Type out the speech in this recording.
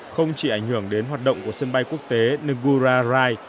không chỉ ảnh hưởng đến hoạt động của sân bay quốc tế nugura rail